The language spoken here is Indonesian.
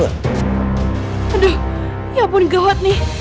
aduh ya ampun gawat nih